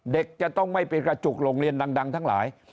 เด็กจะต้องไม่ไปกระจุกโรงเรียนดังทั้งหลาย